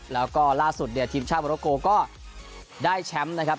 แล้วก็ล่าสุดเนี่ยทีมชาติโมโรโกก็ได้แชมป์นะครับ